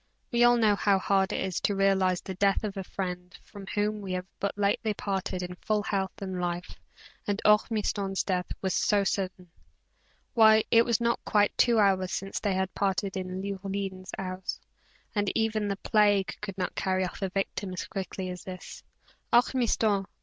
We all know how hard it is to realize the death of a friend from whom we have but lately parted in full health and life, and Ormiston's death was so sudden. Why, it was not quite two hours since they had parted in Leoline's house, and even the plague could not carry off a victim as quickly as this. "Ormiston!